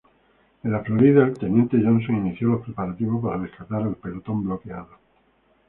En el "Florida", el teniente Johnson inició los preparativos para rescatar al pelotón bloqueado.